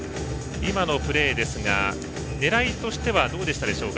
今のプレーですが狙いとしてはどうでしたでしょうか？